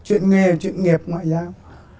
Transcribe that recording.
chuyện nghề chuyện nghiệp ngoại giao